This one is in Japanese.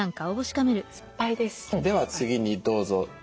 では次にどうぞ。